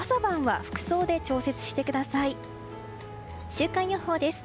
週間予報です。